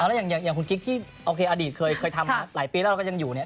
แล้วอย่างคุณกิ๊กที่โอเคอดีตเคยทำมาหลายปีแล้วเราก็ยังอยู่เนี่ย